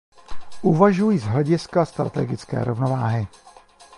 Uvažují z hlediska strategické rovnováhy.